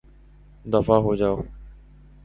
دفعہ ہو جائو